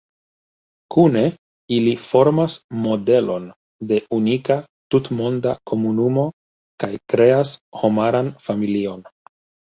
Kune ili formas modelon de unika tutmonda komunumo, kaj kreas homaran familion.